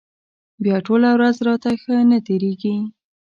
بیا ټوله ورځ راته ښه نه تېرېږي.